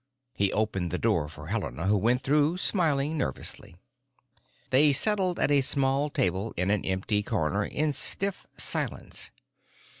He opened the door for Helena, who went through smiling nervously. They settled at a small table in an empty corner in stiff silence.